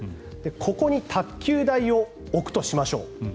ここに卓球台を置くとしましょう。